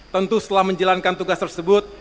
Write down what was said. tentu setelah menjalankan tugas tersebut